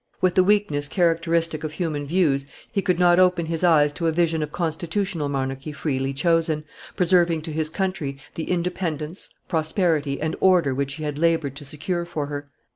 With the weakness characteristic of human views, he could not open his eyes to a vision of constitutional monarchy freely chosen, preserving to his country the independence, prosperity, and order which he had labored to secure for her.